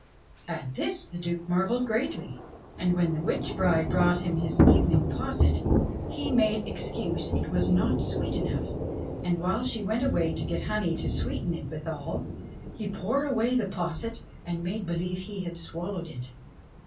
At this the Duke marvelled greatly, and when the witch bride brought him his evening posset, he made excuse it was not sweet enough, and while she went away to get honey i64 ENGLISH FAIRY TALES to sweeten it withal, he poured away the posset and made beHeve he had swallowed it.